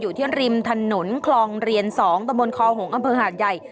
อยู่ที่ริมถนนคลองเรียน๒ตะบนคอหงษอำเภอหาดใหญ่